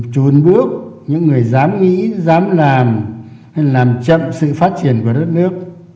chuồn bước những người dám nghĩ dám làm làm chậm sự phát triển của đất nước